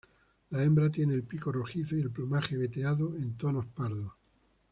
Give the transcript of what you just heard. La hembra tiene el pico rojizo y el plumaje veteado en tonos pardos.